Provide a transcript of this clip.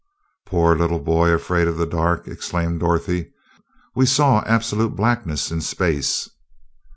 "Poor little boy afraid of the dark!" exclaimed Dorothy. "We saw absolute blackness in space."